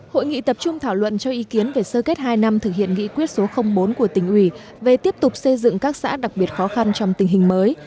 hội nghị tập trung thảo luận cho ý kiến về sơ kết hai năm thực hiện nghị quyết số bốn của tỉnh ủy về tiếp tục xây dựng các xã đặc biệt khó khăn trong tình hình mới